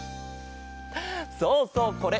そうそうこれ。